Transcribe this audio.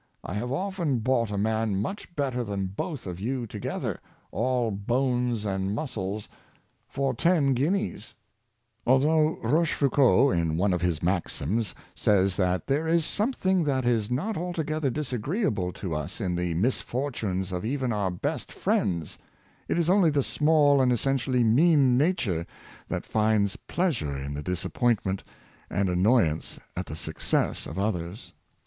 I have often bought a man much better than both of you together, all bones and muscles, for ten guineas!" The Envy of Small Minds, 139 Although Rochefoucauld, in one of his maxims, says that there is something that is not altogether disagree able to us in the misfortunes of even our best friends, it is only the small and essentially mean nature that finds pleasure in the disappointment, and annoyance at the success of others.